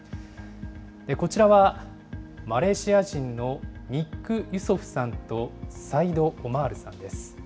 こちらはマレーシア人のニック・ユソフさんとサイド・オマールさんです。